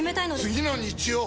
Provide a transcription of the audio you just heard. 次の日曜！